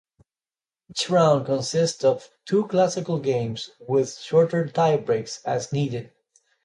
Each round consists of two classical games with shorter tiebreaks as needed.